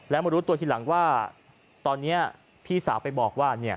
แล้วมารู้ตัวทีหลังว่าตอนนี้พี่สาวไปบอกว่า